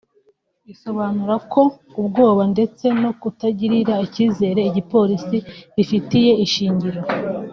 isobanura ko ubwoba ndetse no kutagirira icyizere igipolisi bifite ishingiro